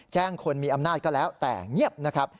แจ้งคนมีอำนาจก็แล้วแต่เงียบนะครับ